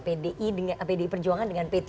pdi perjuangan dengan p tiga